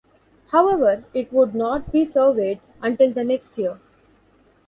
However it would not be surveyed until the next year.